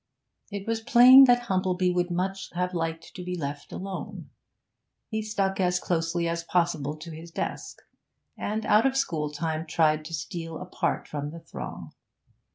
It was plain that Humplebee would much have liked to be left alone. He stuck as closely as possible to his desk, and out of school time tried to steal apart from the throng.